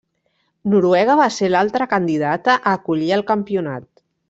Noruega va ser l'altra candidata a acollir el campionat.